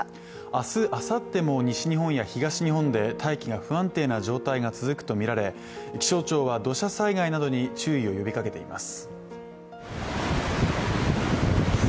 明日あさっても西日本や東日本で大気が不安定な状態が続くとみられ気象庁は土砂災害などに注意を呼びかけています。